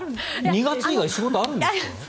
２月以外に仕事あるんですか？